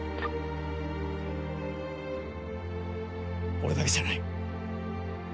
俺だけじゃない。